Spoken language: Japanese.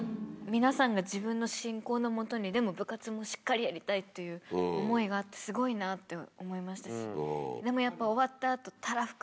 皆さんが自分の信仰のもとにでも部活もしっかりやりたいという思いがあってすごいなと思いましたし。